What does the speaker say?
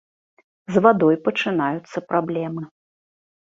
З вадой пачынаюцца праблемы.